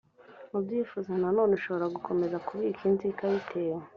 ubyifuza nanone ushobora gukomeza kubika inzika bitewe